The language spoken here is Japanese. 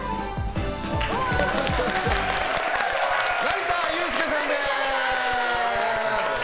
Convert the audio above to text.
成田悠輔さんです！